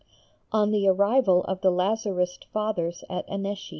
_ ON THE ARRIVAL OF THE LAZARIST FATHERS AT ANNECY.